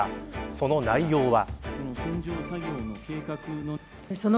その内容は。